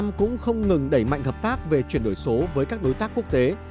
chúng ta cũng không ngừng đẩy mạnh hợp tác về chuyển đổi số với các đối tác quốc tế